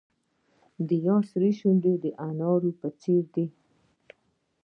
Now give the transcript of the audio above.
د یار شونډې د انارو په څیر دي.